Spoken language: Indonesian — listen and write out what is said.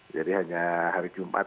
jadi hanya hari jumat